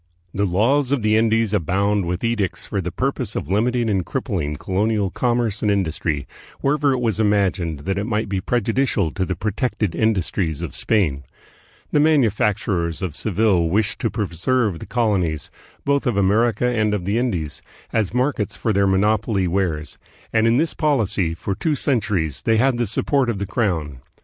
"The Laws of the Indies" abound with edicts for the purpose of limiting and crippling colonial commerce and industry, wherever it was imagined that it might be prejudicial to the protected industries of Spain. The manufacturers of Seville wished to preserve the col onies, both of America and of the Indies, as markets for their monopoly wares ; and in this policy, for two centuries, they had the support of the crown.